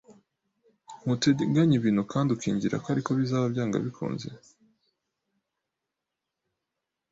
Nuteganya ibintu kandi ukiringirako ari ko bizaba byanze bikunze,